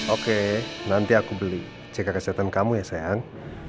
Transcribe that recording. oke nanti aku beli cek kesehatan kamu ya sayang